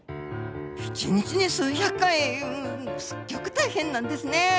１日に数百回うすっギョく大変なんですね。